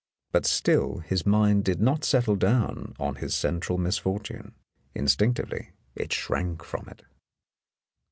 But still his mind did not settle down on his central misfortune —instinctively it shrank from it.